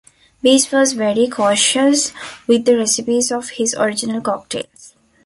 Beach was very cautious with the recipes of his original cocktails.